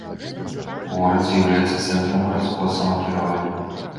Горад з'яўляецца цэнтрам гарадскога самакіравання.